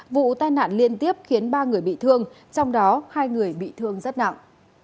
vụ tai nạn liên tiếp khiến ba người bị thương trong đó hai người bị thương rất nặng